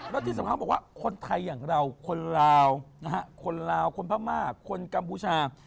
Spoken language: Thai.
แล้วที่สำคัญบอกว่าคนไทยอย่างเราคนลาวนะฮะคนลาวคนพม่าคนกัมพูชา